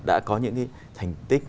đã có những cái thành tích